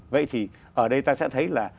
vậy thì ở đây ta sẽ thấy là